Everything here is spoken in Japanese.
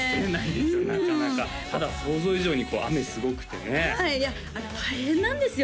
なかなかただ想像以上に雨すごくてねはいいやあれ大変なんですよ